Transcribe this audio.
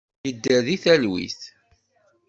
Yedder deg talwit.